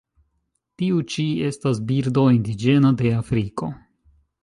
Tiu ĉi estas birdo indiĝena de Afriko.